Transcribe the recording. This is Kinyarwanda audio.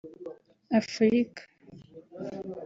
Afurika